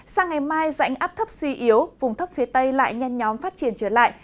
sang ngày mai rãnh áp thấp suy yếu vùng thấp phía tây lại nhanh nhóm phát triển trở lại